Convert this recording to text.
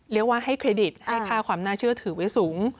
เรียกว่าให้เครดิตให้ค่าความน่าเชื่อถือไว้สูง